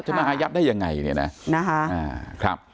จะมาหายับได้ยังไงนี่น่ะนะคะอ่าครับ